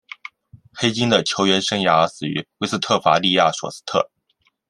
黑金的球员生涯始于威斯特伐利亚索斯特。